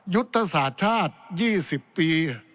ยุตสาธิชาติ๒๐ปี